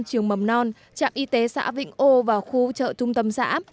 trường mầm non trạm y tế xã vịnh âu và khu chợ trung tâm xã